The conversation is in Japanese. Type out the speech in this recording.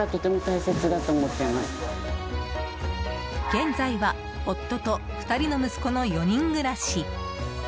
現在は夫と２人の息子の４人暮らし。